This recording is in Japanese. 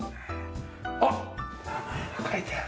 あっ名前が書いてある。